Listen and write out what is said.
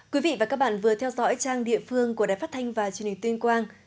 các bạn vừa theo dõi trang địa phương của đài phát thanh và truyền hình tuyên quang